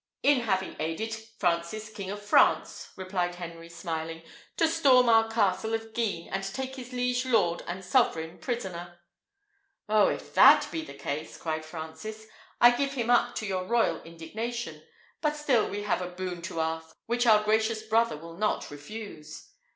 "In having aided Francis King of France," replied Henry, smiling, "to storm our castle of Guisnes, and take his liege lord and sovereign prisoner." "Oh! if that be the case," cried Francis, "I give him up to your royal indignation; but still we have a boon to ask, which our gracious brother will not refuse."